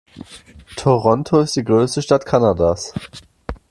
Toronto ist die größte Stadt Kanadas.